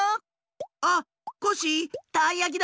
あコッシーたいやきだよ！